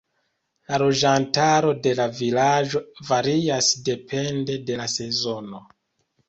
La loĝantaro de la vilaĝo varias depende de la sezono.